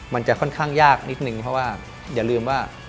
มันจะค่อนข้างยากนิดนึงเพราะว่าอย่าลืมว่า